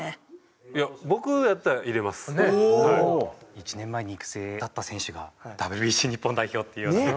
１年前に育成だった選手がＷＢＣ日本代表っていう。